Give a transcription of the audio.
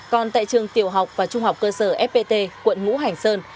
còn tại trường tiểu học và trung học cơ sở fpt quận ngũ hành sơn